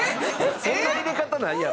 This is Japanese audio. そんな入れ方ないやろ。